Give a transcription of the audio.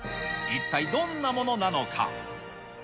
一体どんなものなのか。